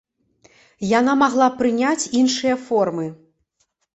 Яна магла прыняць іншыя формы.